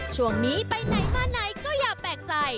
ช่วงนี้ไปไหนมาไหนก็อย่าแปลกใจ